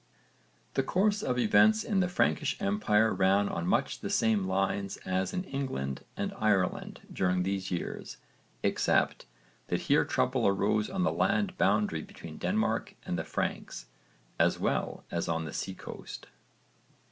The course of events in the Frankish empire ran on much the same lines as in England and Ireland during these years except that here trouble arose on the land boundary between Denmark and the Franks as well as on the sea coast.